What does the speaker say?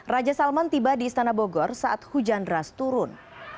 raja salman tiba di istana bogor saat hujan deras turun